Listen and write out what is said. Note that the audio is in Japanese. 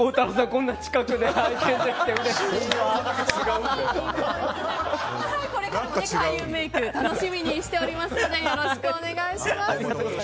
こんな近くで拝見できてこれからも開運メイク楽しみにしておりますのでよろしくお願いします。